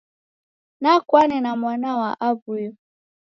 Nakwane na mwana wa awuyo